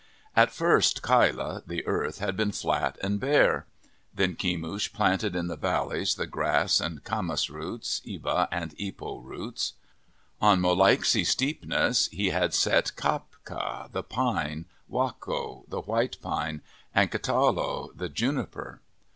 At first Kaila, the earth, had been flat and bare. Then Kemush planted in the valleys the grass, and camas roots, iba and ipo roots. On Molaiksi, Steepness, he had set Kapka, the pine, Wako, the white pine, and Ktalo, the juniper.